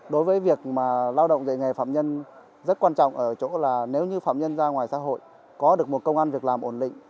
đối với việc mà lao động dạy nghề phạm nhân rất quan trọng ở chỗ là nếu như phạm nhân ra ngoài xã hội có được một công an việc làm ổn định